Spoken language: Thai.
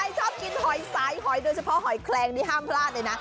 ชอบกินหอยสายหอยโดยเฉพาะหอยแคลงนี่ห้ามพลาดเลยนะ